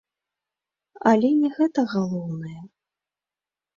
Але не гэта галоўнае.